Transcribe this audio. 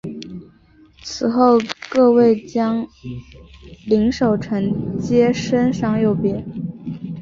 此后各位将领守臣皆升赏有别。